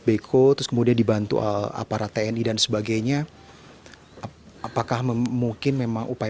beko terus kemudian dibantu aparat tni dan sebagainya apakah memungkin memang upaya